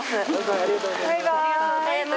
ありがとうございます。